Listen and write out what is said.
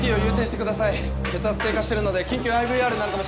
血圧低下してるので緊急ＩＶＲになるかもしれません。